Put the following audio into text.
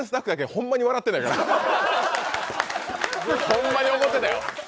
ほんまに怒ってたよ。